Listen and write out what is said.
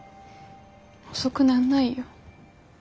遅くなんないよ